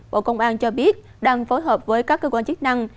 bộ công an cho biết đang phối hợp với các cơ quan chức năng